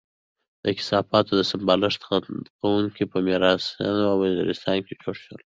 د کثافاتو د سمبالښت خندقونه په ميرانشاه او وزيرستان کې جوړ شول.